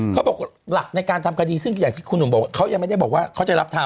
เขาบอกหลักในการทำคดีซึ่งอย่างที่คุณหนุ่มบอกว่าเขายังไม่ได้บอกว่าเขาจะรับทำ